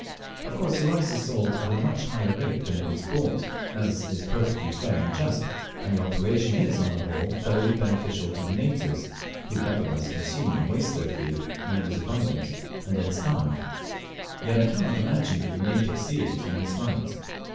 Of course the rice is sold at a much higher rate than it was bought, as is perfectly fair and just and the operation is on the whole thoroughly beneficial to the natives, who would otherwise consume and waste their food when it was abundant, and then starve yet I cannot imagine that the natives see it in this light.